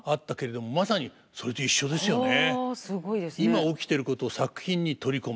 今起きてることを作品に取り込む。